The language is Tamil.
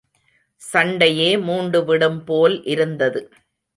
சண்டையே மூண்டு விடும் போல் இருந்தது.